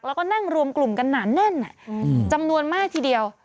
แล้วก็นั่งรวมกลุ่มกันหนาแน่นจำนวนมากทีเดียว